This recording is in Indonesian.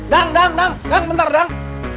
dang dang dang dang bentar dang